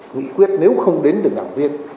nghị quyết nếu không đến đường đảng viên